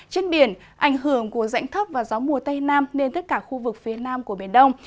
trên biển ảnh hưởng của rãnh thấp và gió mùa tây nam nên tất cả khu vực phía nam của biển đông